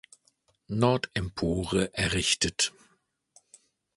Nordempore errichtet.